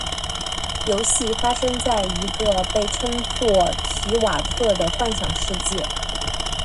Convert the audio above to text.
游戏发生在一个被称作「提瓦特」的幻想世界。